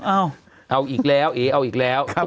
เอาเอาอีกแล้วเอ๋เอาอีกแล้ว